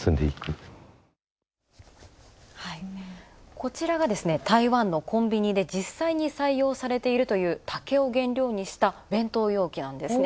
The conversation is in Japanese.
こちらが、台湾のコンビニで実際に採用されているという、竹を原料にした弁当容器なんですね